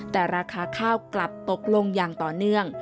แต่ราคาข้าวกลับตกลงอย่างต่อเนื่อง